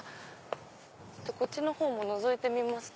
こっちのほうものぞいてみますか。